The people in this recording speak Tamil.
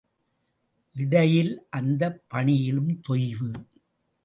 இடையில் அந்தப் பணியிலும் தொய்வு.